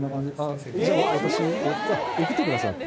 じゃあ私送ってってください。